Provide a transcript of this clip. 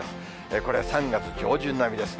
これは３月上旬並みですね。